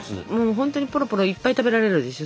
ほんとにポロポロいっぱい食べられるでしょ？